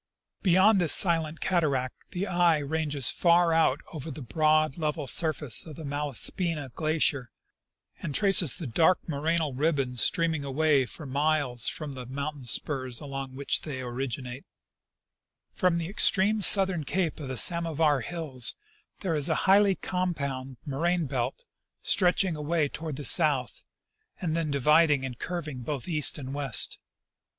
Beyond this silent cataract, the eye ranges far out over the broad, level surface of the Malaspina glacier, and traces the dark morainal ribbons streaming away for miles from the mountain spurs among which the}^ originate. From the extreme 19— Nat. Geog. Mag., vol. Ill, 1801. 134 I. C. Russell — Expedition to Mount St. Elias. southern .cape of the Samovar hills there is a highly compound moraine belt stretching away toward the south, and then divid ing and curving both east and west.